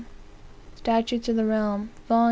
Statutes of the Realm, vol.